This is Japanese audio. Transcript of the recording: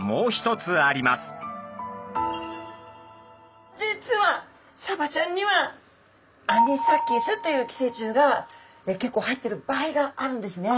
そして実はサバちゃんにはアニサキスという寄生虫が結構入ってる場合があるんですね。